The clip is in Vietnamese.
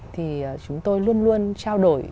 thì chúng tôi luôn luôn trao đổi